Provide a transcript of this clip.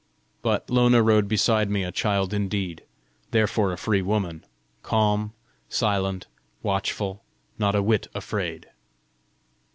But Lona rode beside me a child indeed, therefore a free woman calm, silent, watchful, not a whit afraid!